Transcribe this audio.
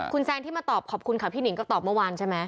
คุณแซนที่มาตอบขอบคุณค่ะพี่หนิงก็ตอบเมื่อวานใช่ไหม